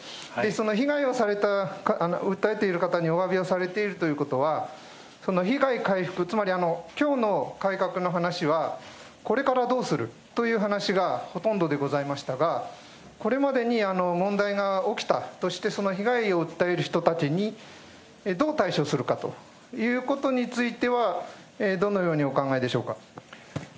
その被害をされた、訴えている方におわびをされているということは、被害回復、つまりきょうの改革の話は、これからどうするという話がほとんどでございましたが、これまでに問題が起きたとして、その被害を訴える人たちに、どう対処するかということについては、どのようにお考えでしょうか。